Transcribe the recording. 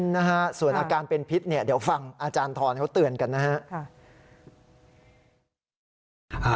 นะฮะส่วนอาการเป็นพิษเนี่ยเดี๋ยวฟังอาจารย์ทรเขาเตือนกันนะฮะ